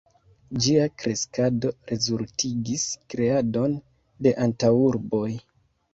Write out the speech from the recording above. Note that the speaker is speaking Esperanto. Ĝia kreskado rezultigis kreadon de antaŭurboj.